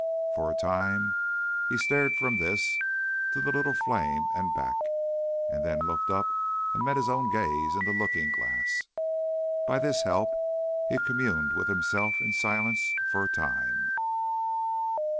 For a time he stared from this to the little flame and back, and then looked up and met his own gaze in the looking glass. By this help he communed with himself in silence for a time.